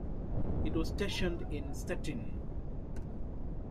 It was stationed in Stettin.